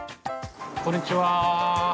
こんにちは。